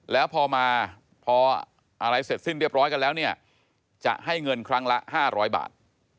แล้วพอมาพออะไรเสร็จสิ้นเรียบร้อยกันแล้วเนี่ยจะให้เงินครั้งละ๕๐๐บาท